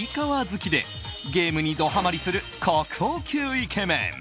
好きでゲームにドハマリする国宝級イケメン。